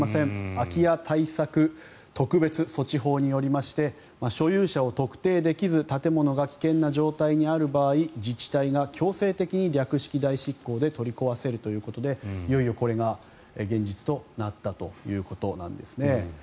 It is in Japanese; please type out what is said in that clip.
空き家対策特別措置法によりまして所有者を特定できず建物が危険な状態にある場合自治体が強制的に略式代執行で取り壊せるということでいよいよこれが現実となったということなんですね。